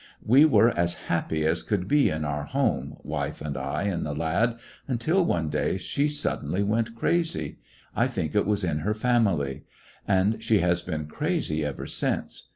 "We were as happy as could be in our home, wife and I and the lad, until one day she suddenly went crazy. I think it was in her family. And she has been crazy ever since.